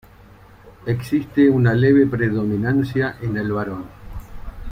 Existe una leve predominancia en el varón.